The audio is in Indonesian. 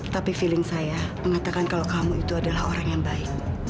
tapi feeling saya mengatakan kalau kamu itu adalah orang yang baik